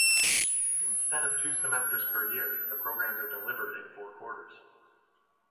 Instead of two semesters per year, the programs are delivered in four quarters.